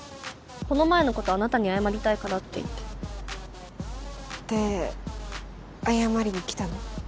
この前のことあなたに謝りたいからって言ってで謝りに来たの？